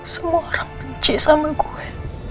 semua orang benci sama gue